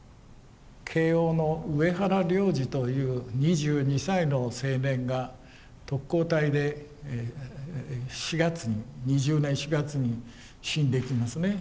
慶應の上原良司という２２歳の青年が特攻隊で４月に２０年４月に死んでいきますね。